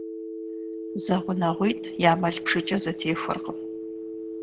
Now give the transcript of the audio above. Зэгъунэгъуитӏ я мэл бжыкӏэ зэтехуэркъым.